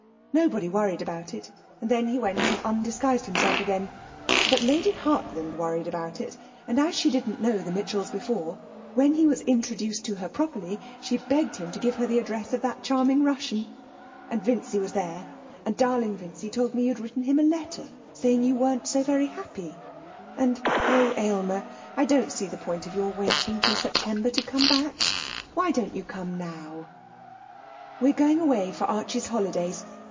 Nobody worried about it, and then he went and undisguised himself again. But Lady Hartland worried about it, and as she didn't know the Mitchells before, when he was introduced to her properly she begged him to give her the address of that charming Russian. And Vincy was there, and darling Vincy told me you'd written him a letter saying you weren't so very happy. And oh, Aylmer, I don't see the point of your waiting till September to come back. Why don't you come now? 'We're going away for Archie's holidays.